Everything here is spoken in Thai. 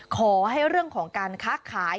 ขอให้เรื่องของการค้าขาย